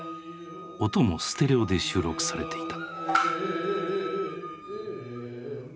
音もステレオで収録されていた。